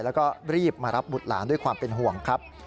แล้วก็รีบมารับบุตรหลานด้วยความเป็นห่วงครับ